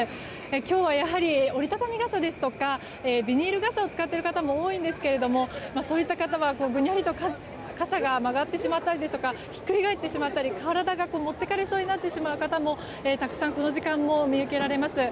今日は折りたたみ傘ですとかビニール傘を使っている方が多いんですけれどもそういった方はぐにゃりと傘が曲がってしまったりひっくり返ってしまったり体が持ってかれそうになる方もたくさんこの時間も見受けられます。